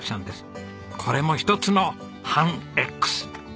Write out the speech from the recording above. これも一つの半Ｘ。